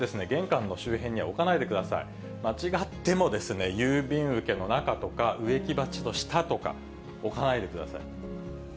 間違ってもですね、郵便受けの中とか、植木鉢の下とか、置かないでください。